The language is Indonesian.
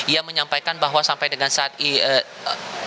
ia menyampaikan bahwa sampai dengan saat ini